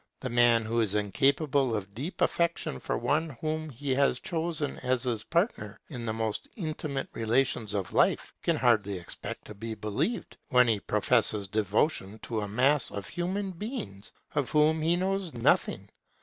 The man who is incapable of deep affection for one whom he has chosen as his partner in the most intimate relations of life, can hardly expect to be believed when he professes devotion to a mass of human beings of whom he knows nothing.